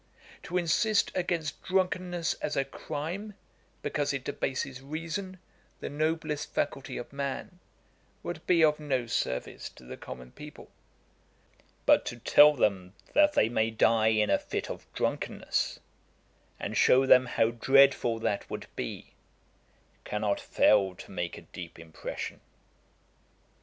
To insist against drunkenness as a crime, because it debases reason, the noblest faculty of man, would be of no service to the common people: but to tell them that they may die in a fit of drunkenness, and shew them how dreadful that would be, cannot fail to make a deep impression.